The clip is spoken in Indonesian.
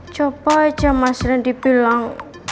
coba aja mas randy bilang